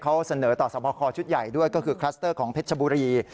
เขาเสนอต่อสวบคอชุดใหญ่ด้วยก็คือคลัสเตอร์ของเพชรชบุรี